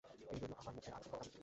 এ রইল আমার মুখে আর তোমার কানে।